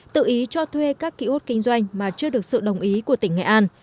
tự ý cho thuê các ký ốt kinh doanh mà chưa được sự đồng ý của tỉnh nghệ an